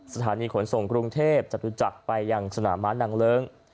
สถานีขนส่งกรุงเทพจตุจักรไปยังสนามม้านางเลิ้ง